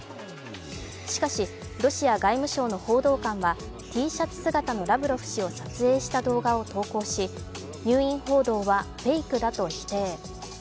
しかし、ロシア外務省の報道官はＴシャツ姿のラブロフ氏を撮影した動画を投稿し、入院報道はフェイクだと否定。